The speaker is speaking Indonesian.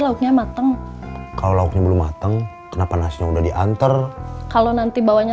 lauknya mateng kalau lauknya belum matang kenapa nasinya udah diantar kalau nanti bawanya